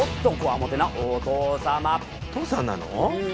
お父さんなの？